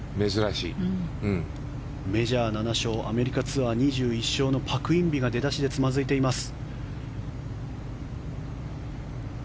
メジャー７勝アメリカツアー２１勝のパク・インビが出だしでつまずいています。